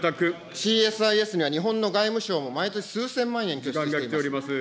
ＣＳＩＳには、日本の外務省も毎年数千万円拠出しています。